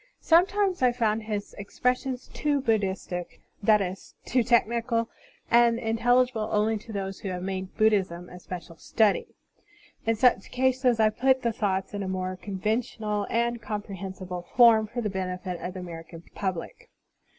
Sometimes I fotmd his expressions too Buddhistic, that is, too technical, and intelligible only to those who have made Buddhism a special study. In such cases, I put the thoughts in a more con Digitized by Google TRANSLATOR S PREFACE V ventional and comprehensible form for the benefit of the American public.